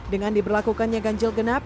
dengan diberlakukannya ganjil genap